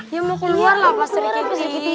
dia mau keluar lah pak serikiti